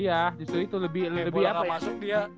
iya gitu itu lebih langkah masuk dia